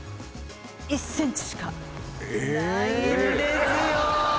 １ｃｍしかないんですよええ！？